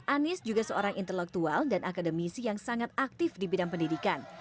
anies juga seorang intelektual dan akademisi yang sangat aktif di bidang pendidikan